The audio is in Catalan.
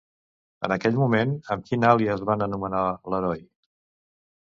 En aquell moment, amb quin àlies van anomenar l'heroi?